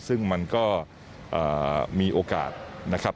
ซึ่งมันก็มีโอกาสนะครับ